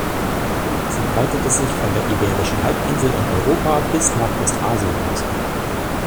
Sie breitete sich von der Iberischen Halbinsel in Europa bis nach Ostasien aus.